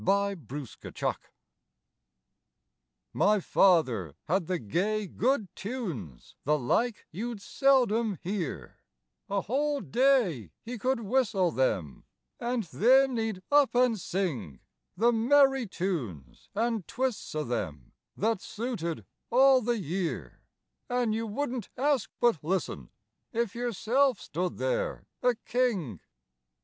MY FATHER'S TUNES My father had the gay good tunes, the like you'd seldom hear, A whole day could he whistle them, an' thin he'd up an' sing, The merry tunes an' twists o'them that suited all the year, An' you wouldn't ask but listen if yourself stood there a king.